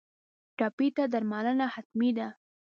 ټپي ته درملنه حتمي ده.